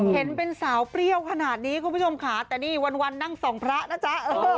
เห็นเป็นสาวเปรี้ยวขนาดนี้คุณผู้ชมค่ะแต่นี่วันนั่งส่องพระนะจ๊ะ